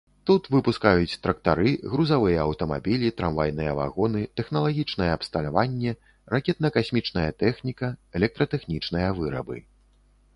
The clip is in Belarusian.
Тут выпускаюць трактары, грузавыя аўтамабілі, трамвайныя вагоны, тэхналагічнае абсталяванне, ракетна-касмічная тэхніка, электратэхнічныя вырабы.